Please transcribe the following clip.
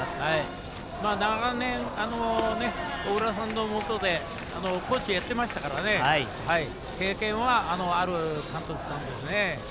長年、小倉さんのもとでコーチやってましたから経験はある監督さんですね。